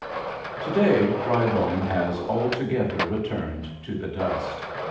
PART III To day, Drybone has altogether returned to the dust.